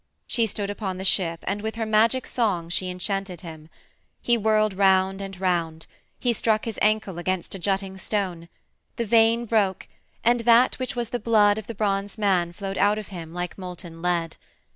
She stood upon the ship, and with her Magic Song she enchanted him. He whirled round and round. He struck his ankle against a jutting stone. The vein broke, and that which was the blood of the bronze man flowed out of him like molten lead.